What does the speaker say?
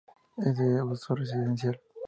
Es de uso residencial.